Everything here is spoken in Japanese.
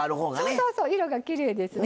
そうそう色がきれいですね。